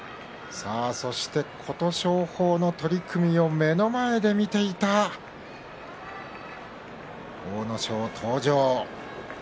さあそして琴勝峰の取組を目の前で見ていた阿武咲、登場。